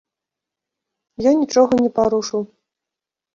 Я нічога не парушыў.